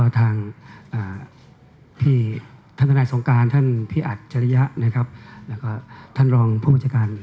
ท่านทนายสงการท่านพี่อัดจริยะแล้วก็ท่านรองผู้บัจจาการ